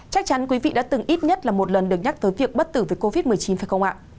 chắc chắn quý vị đã từng ít nhất là một lần được nhắc tới việc bất tử về covid một mươi chín phải không ạ